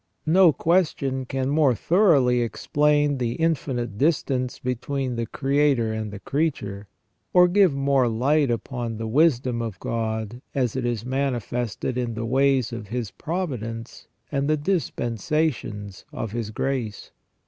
No question can more thoroughly explain the infinite distance between the Creator and the creature, or give more light upon the wisdom of God as it is manifested in the ways of His providence and the dispensations of His grace.